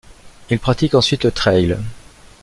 Il pratique ensuite le trail.